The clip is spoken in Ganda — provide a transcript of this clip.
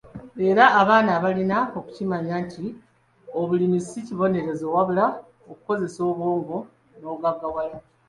Era abaana balina okukimanya nti obulimi si kibonerezo, wabula kukozesa bwongo n'ogaggawala.